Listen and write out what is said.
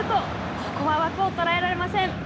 ここは枠を捉えられません。